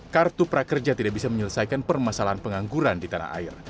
kartu prakerja tidak bisa menyelesaikan permasalahan pengangguran di tanah air